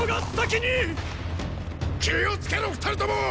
気をつけろ二人とも！